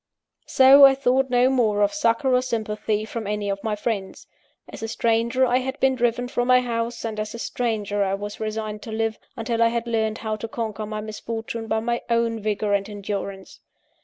So I thought no more of succour or sympathy from any one of my friends. As a stranger I had been driven from my home, and as a stranger I was resigned to live, until I had learnt how to conquer my misfortune by my own vigour and endurance.